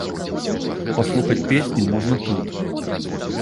Паслухаць песню можна тут.